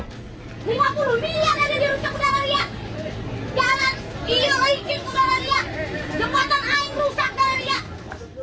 lima puluh miliar ada di rujak udara ria jalan ini licin udara ria jembatan air rusak udara ria